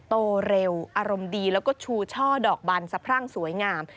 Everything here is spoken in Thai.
โตเร็วอารมณ์ดีแล้วก็ชูช่อดอกบันสะพรั่งสวยงาม